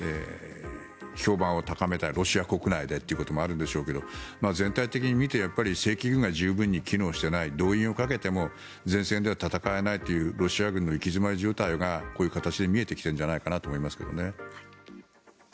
評判を高めたいロシア国内でということもあるんでしょうが全体的に見て正規軍が十分に機能していない動員をかけても前線では戦えないというロシア軍の行き詰まり状態がこういう形で見えてきているんじゃないかなと思いますけどね。